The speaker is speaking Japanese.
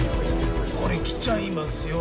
これ来ちゃいますよ